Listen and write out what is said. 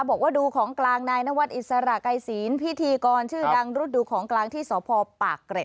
บอกว่าดูของกลางนายนวัดอิสระไกรศีลพิธีกรชื่อดังรุดดูของกลางที่สพปากเกร็ด